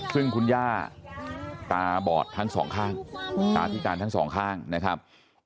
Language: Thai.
ซึ่งคุณย่าตาบอดทั้งสองข้างตาพิการทั้งสองข้างนะครับ